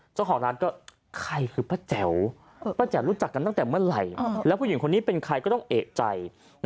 เจ้าของร้านก็ใครคือป้าแจ๋วป้าแจ๋วรู้จักกันตั้งแต่เมื่อไหร่แล้วผู้หญิงคนนี้เป็นใครก็ต้องเอกใจ